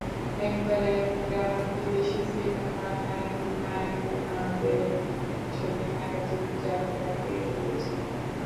একবার একটা বিদেশি সিনেমার নায়ক নায়িকাদের রঙিন ছবির ম্যাগাজিন জাহেদাকে দিয়েছিল।